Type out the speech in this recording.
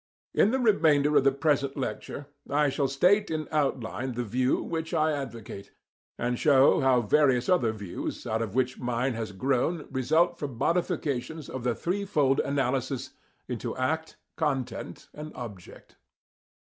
In the remainder of the present lecture I shall state in outline the view which I advocate, and show how various other views out of which mine has grown result from modifications of the threefold analysis into act, content and object.